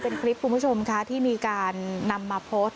เป็นคลิปคุณผู้ชมค่ะที่มีการนำมาโพสต์